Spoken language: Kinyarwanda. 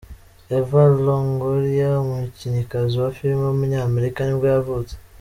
Eva Longoria, umukinnyikazi wa filime w’umunyamerika nibwo yavutse.